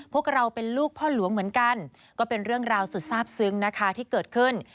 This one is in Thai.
พวกเราเป็นลูกพ่อหลวงเหมือนกันก็เป็นเรื่องราวสุดทราบซึ้งนะคะที่เกิดขึ้น